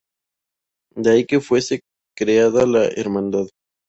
De ahí que fuese creada la hermandad.